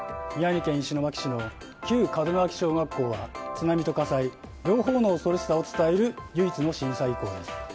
宮城県石巻市の旧門脇小学校は津波と火災両方の恐ろしさを伝える唯一の震災遺構です。